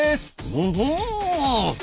ほほう！